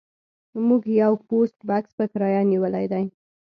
موږ یو پوسټ بکس په کرایه نیولی دی